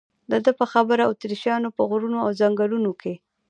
د ده په خبره اتریشیانو په غرونو او ځنګلونو کې.